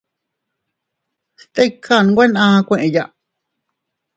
Stikan nwe naa kueyaʼa.